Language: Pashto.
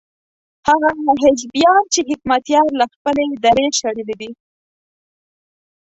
هغه حزبيان چې حکمتیار له خپلې درې شړلي دي.